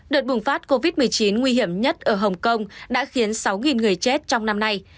đợt bùng phát covid một mươi chín nguy hiểm nhất ở hồng kông đã khiến sáu người chết trong năm nay